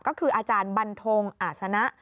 ก็คืออาจารย์บันทงอาศนะ